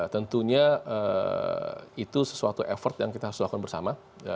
tentunya itu sesuatu effort yang kita harus lakukan bersama